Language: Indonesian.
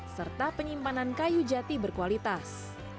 serta penyimpanan kayu jati berkualitas